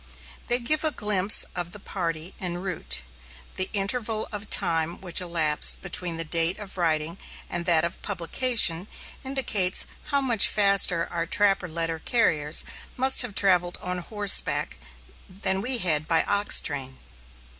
They give a glimpse of the party en route. The interval of time which elapsed between the date of writing and that of publication indicates how much faster our trapper letter carriers must have travelled on horseback than we had by ox train.